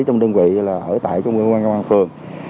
con đang làm gì đó sáng nay con có học bài không